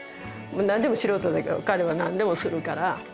なんでも素人だけど彼はなんでもするから。